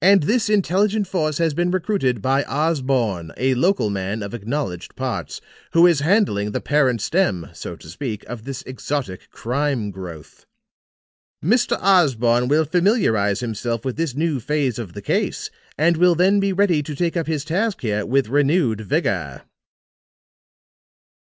And this intelligent force has been recruited by Osborne, a local man of acknowledged parts, who is handling the parent stem, so to speak, of this exotic crime growth. Mr. Osborne will familiarize himself with this new phase of the case and will then be ready to take up his task here with renewed vigor."